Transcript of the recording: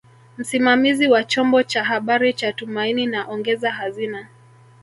Msimamizi wa chombo cha habari cha Tumaini na ongeza hazina